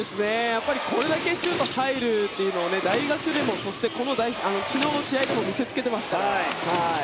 これだけシュートが入るというのを大学でもそして昨日の試合でも見せつけていますから。